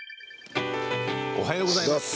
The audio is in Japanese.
おはようございます。